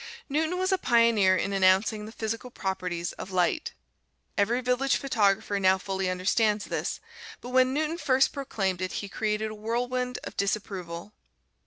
Newton was a pioneer in announcing the physical properties of light. Every village photographer now fully understands this, but when Newton first proclaimed it he created a whirlwind of disapproval.